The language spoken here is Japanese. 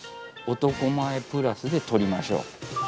男前プラスで撮りましょう。